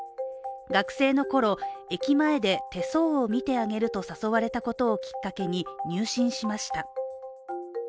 学生の頃、駅前で手相を見てあげると誘われたことをきっかけに入信しました。